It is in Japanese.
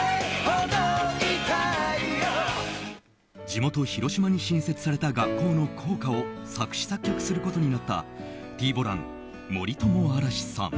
地元・広島に新設された学校の校歌を作詞・作曲することになったＴ‐ＢＯＬＡＮ、森友嵐士さん。